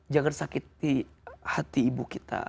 jangan sakiti hati ibu kita